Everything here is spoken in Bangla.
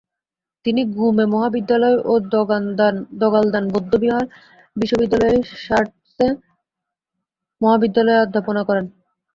তিনি গ্যুমে মহাবিদ্যালয় ও দ্গা'-ল্দান বৌদ্ধবিহার বিশ্ববিদ্যালয়ের শার-র্ত্সে মহাবিদ্যালয়ে অধ্যাপনা করেন।